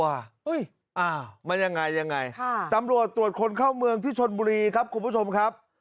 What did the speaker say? มันยังไงยังไงตำรวจตรวจคนเข้าเมืองที่ชนบุรีครับคุณผู้ชมครับ